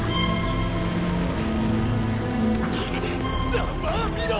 ざまあみろ！